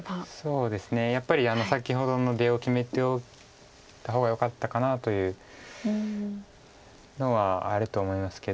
そうですねやっぱり先ほどの出を決めておいた方がよかったかなというのはあると思いますけど。